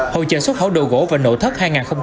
hội trợ xuất khẩu đồ gỗ và nội thất hai nghìn hai mươi bốn